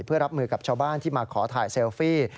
เพื่อรับมือกับชาวบ้านที่มาขอถ่ายเซลฟี่